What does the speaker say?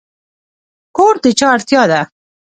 کور د چا اړتیا ده؟